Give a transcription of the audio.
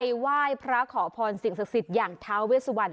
ไหว้พระขอพรสิ่งศักดิ์สิทธิ์อย่างท้าเวสวรร